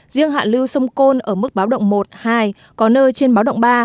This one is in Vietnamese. riêng hạ lưu sông côn ở mức báo động một hai có nơi trên báo động ba